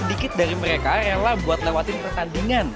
sedikit dari mereka rela buat lewatin pertandingan